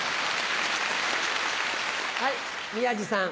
はい宮治さん。